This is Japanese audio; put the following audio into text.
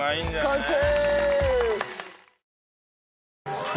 完成！